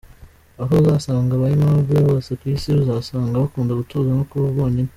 Aho uzasanga ba Aimable hose ku Isi , uzasanga bakunda gutuza no kuba bonyine.